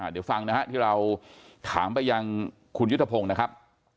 เดี๋ยวฟังนะฮะที่เราถามไปยังคุณยุทธพงศ์นะครับ